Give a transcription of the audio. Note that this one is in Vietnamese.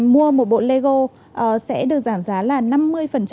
mua một bộ telego sẽ được giảm giá là năm mươi